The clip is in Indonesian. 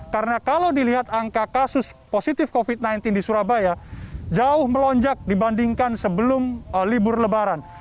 karena kalau dilihat angka kasus positif covid sembilan belas di surabaya jauh melonjak dibandingkan sebelum libur lebaran